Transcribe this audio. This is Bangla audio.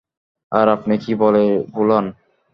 আর আপনি কী বলে ভোলান?